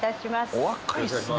お若いですね。